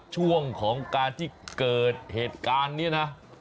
ช่วงของการที่เกิดเหตุการณ์นี้นะ